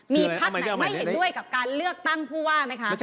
มีพักไหนไม่เห็นด้วยกับการเลือกตั้งผู้ว่าไหมคะ